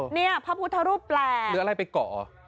นี่พระพุทธรูปแปลกเป็นอะไรไปเกาะเหรอ